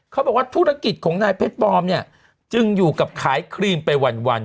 เขาบอกว่าธุรกิจของนายเพชรบอมเนี่ยจึงอยู่กับขายครีมไปวัน